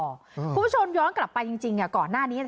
คุณผู้ชมย้อนกลับไปจริงก่อนหน้านี้